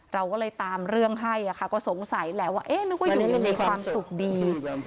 เราก็เลยตามเรื่องให้ก็สงสัยแหละว่านึกว่าอยู่ยังมีความสุขดี